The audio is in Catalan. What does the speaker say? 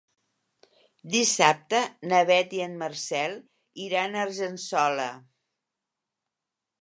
Dissabte na Beth i en Marcel iran a Argençola.